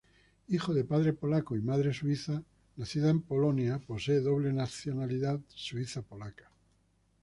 Hijo de padre polaco y madre suiza nacida en Polonia, posee doble nacionalidad suiza-polaca.